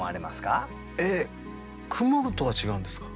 えっ「曇る」とは違うんですか？